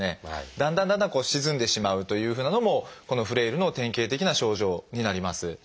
だんだんだんだん沈んでしまうというふうなのもこのフレイルの典型的な症状になります。